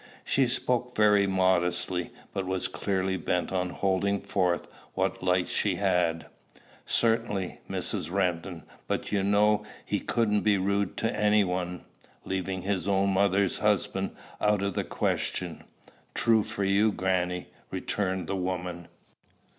She spoke very modestly, but was clearly bent on holding forth what light she had. "Certainly, Mrs. Renton; but you know he couldn't be rude to any one, leaving his own mother's husband out of the question." "True for you, grannie," returned the woman.